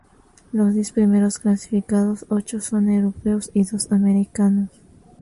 Los diez primeros clasificados, ocho son europeos y dos americanos.